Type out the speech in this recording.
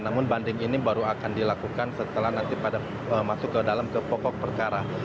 namun banding ini baru akan dilakukan setelah nanti pada masuk ke dalam ke pokok perkara